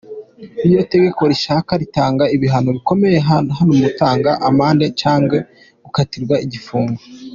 Rino tegeko rishasha ritanga ibihano bikomeye haba mu gutanga amande canke mu gukatigwa igipfungo.